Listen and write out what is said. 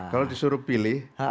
kalau disuruh pilih